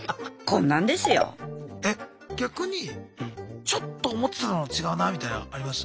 え逆にちょっと思ってたのと違うなみたいのあります？